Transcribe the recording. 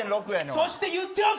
そして、言っておく！